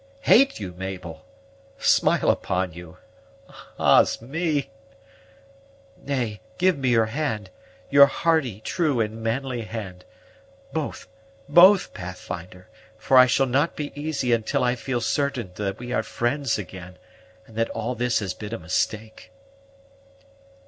"Hate you, Mabel! Smile upon you! Ah's me!" "Nay, give me your hand; your hardy, true, and manly hand both, both, Pathfinder! for I shall not be easy until I feel certain that we are friends again, and that all this has been a mistake."